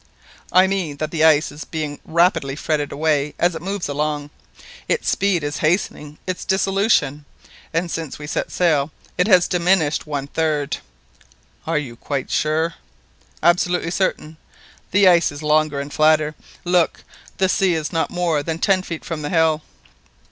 "I mean that the ice is being rapidly fretted away as it moves along. Its speed is hastening its dissolution, and since we set sail it has diminished one third." "Are you quite sure?" "Absolutely certain. The ice is longer and flatter. Look, the sea la not more than ten feet from the hill!"